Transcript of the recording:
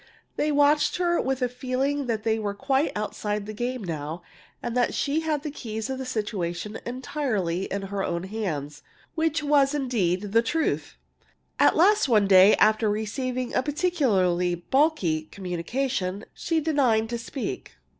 They watched her with the feeling that they were quite outside the game now, and that she had the keys of the situation entirely in her own hands. Which was indeed the truth! At last one day, after receiving a particularly bulky communication, she deigned to speak.